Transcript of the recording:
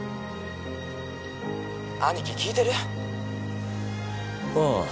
兄貴聞いてる？ああ。